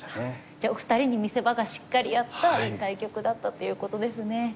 じゃあお二人に見せ場がしっかりあったいい対局だったということですね。